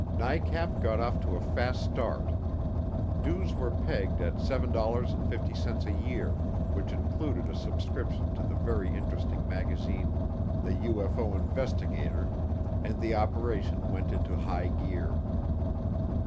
NICAP got off to a fast start. Dues were pegged at $7.50 a year, which included a subscription to the very interesting magazine The UFO Investigator, and the operation went into high gear.